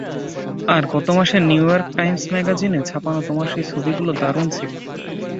আর গতমাসের New York Times ম্যাগাজিনে ছাপানো তোমার সেই ছবিগুলো দারুন ছিল।